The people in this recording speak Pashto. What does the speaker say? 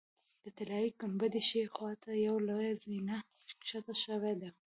د طلایي ګنبدې ښي خوا ته یوه لویه زینه ښکته شوې ده.